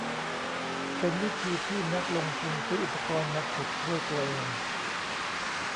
เป็นวิธีที่นักลงทุนซื้ออุปกรณ์มาขุดด้วยตัวเอง